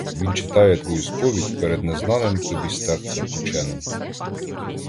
Він читає твою сповідь перед незнаним тобі старцем ученим.